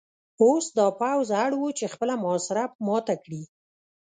اوس دا پوځ اړ و چې خپله محاصره ماته کړي